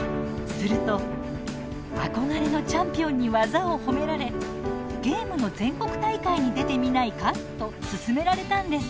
すると憧れのチャンピオンに技を褒められ「ゲームの全国大会に出てみないか」と勧められたんです。